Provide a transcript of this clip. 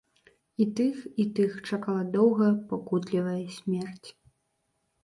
І тых, і тых чакала доўгая пакутлівая смерць.